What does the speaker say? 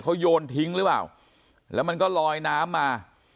เขาโยนทิ้งหรือเปล่าแล้วมันก็ลอยน้ำมา